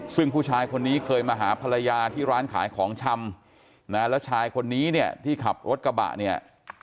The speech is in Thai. ซึ่งผู้ชายคนนี้เคยมาหาภรรยาที่ร้านขายของชำนะแล้วชายคนนี้เนี่ยที่ขับรถกระบะเนี่ย